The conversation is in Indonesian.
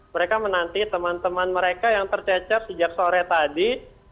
mereka menanti teman teman mereka yang tercecer sejak sore tadi